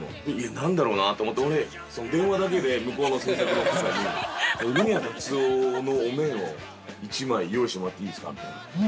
何だろうなと思って、俺電話だけで、向こうの制作の方に梅宮達夫のお面を１枚用意してもらっていいですかって。